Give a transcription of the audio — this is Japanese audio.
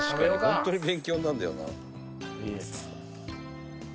ホントに勉強になるんだよな」